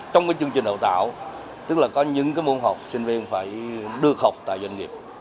trong cái chương trình hậu tạo tức là có những cái môn học sinh viên phải được học tại doanh nghiệp